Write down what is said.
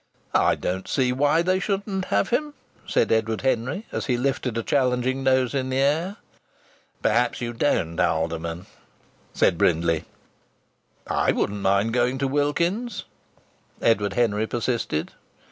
"I don't see why they shouldn't have him," said Edward Henry, as he lifted a challenging nose in the air. "Perhaps you don't, Alderman!" said Brindley. "I wouldn't mind going to Wilkins's," Edward Henry persisted.